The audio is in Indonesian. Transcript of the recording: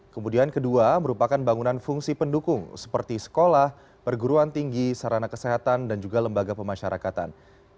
kemudian kedua merupakan bangunan fungsi pendukung seperti sekolah perguruan tinggi sarana kesehatan dan juga lembaga pemasyarakatan